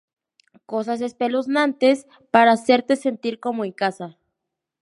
Cosas espeluznantes para hacerte sentir como en casa".